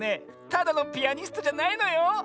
ただのピアニストじゃないのよ。